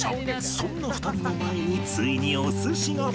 そんな２人の前についにお寿司が。